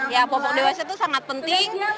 ya popok dewasa itu sangat penting